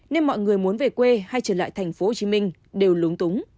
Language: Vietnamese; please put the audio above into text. nên mọi người muốn về quê hay trở lại tp hcm đều lúng túng